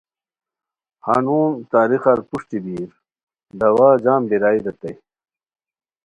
ہنون تاریخار پروشٹی بیر دوا جم بیرائے ریتائے